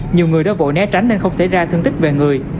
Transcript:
nhiều người đã vội né tránh nên không xảy ra thương tích về người